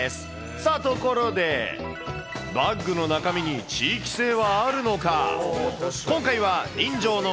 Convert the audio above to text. さあ、ところで、バッグの中身に地域性はあるのか。